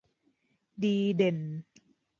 ดีเด่น